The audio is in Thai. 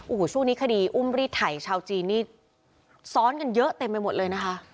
โอ้โหช่วงนี้คดีอุ้มรีดไถ่ชาวจีนนี่ซ้อนกันเยอะเต็มไปหมดเลยนะคะ